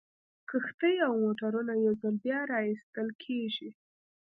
کښتۍ او موټرونه یو ځل بیا را ایستل کیږي